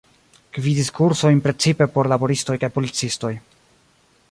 Gvidis kursojn precipe por laboristoj kaj policistoj.